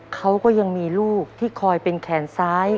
เขาก็ยังมีลูกที่คอยเป็นแขนซ้าย